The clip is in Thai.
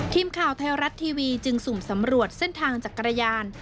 ทีมข่าวไทยรัฐทีวีจึงสุ่มสำรวจเส้นทางจักรยาน